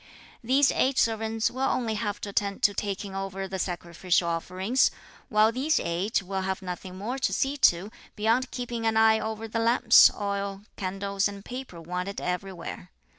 These eight servants will only have to attend to taking over the sacrificial offerings; while these eight will have nothing more to see to beyond keeping an eye over the lamps, oil, candles and paper wanted everywhere.